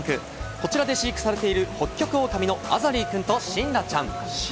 こちらで飼育されているホッキョクオオカミのアザリーくんとシンラちゃん。